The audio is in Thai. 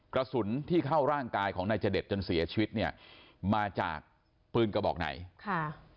กระสุนที่เข้าร่างกายของนายเจดจนเสียชีวิตเนี่ยมาจากปืนกระบอกไหนค่ะ